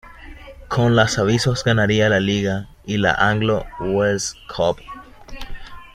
Con las avispas ganaría la liga y la Anglo-Welsh Cup.